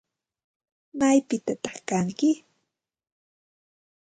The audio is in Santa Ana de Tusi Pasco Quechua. ¿Maypitataq kanki?